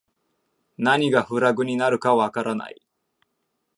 何がフラグになるかわからない